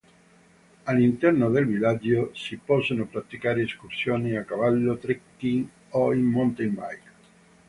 All'interno del villaggio si possono praticare escursioni a cavallo, trekking, o in mountain bike.